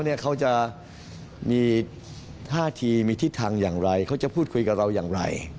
เขาจะมีท่าทีมีทิศทางอย่างไรเขาจะพูดคุยกับเราอย่างไร